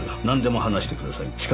「なんでも話してください。